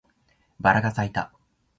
バラが咲いた